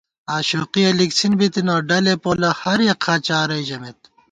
آشوقِیَہ لِکڅِھن بِتنہ ، ڈلے پولہ ہریَک خہ چارَئی ژمېت